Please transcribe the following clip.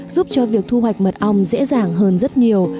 giúp cho việc thu hoạch mật ong dễ dàng hơn rất nhiều